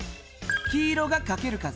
黄色がかける数。